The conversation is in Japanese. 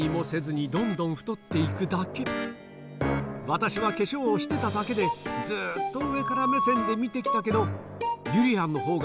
「私は化粧をしてただけでずっと上から目線で見て来たけど」